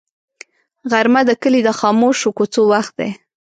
غرمه د کلي د خاموشو کوڅو وخت دی